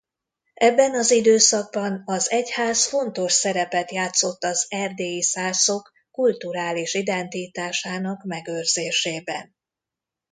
Ebben az időszakban az egyház fontos szerepet játszott az erdélyi szászok kulturális identitásának megőrzésében.